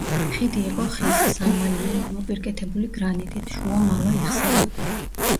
ხიდი იყო ხის, სამმალიანი, მოპირკეთებული გრანიტით, შუა მალა იხსნებოდა.